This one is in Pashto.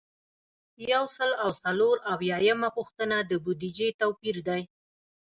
یو سل او څلور اویایمه پوښتنه د بودیجې توپیر دی.